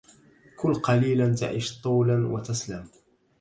كل قليلا تعش طولا وتسلم